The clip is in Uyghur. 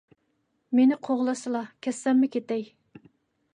مېنى قوغلىسىلا، كەتسەممۇ كېتەي.